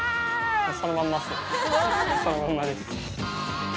そのまんまっすよ。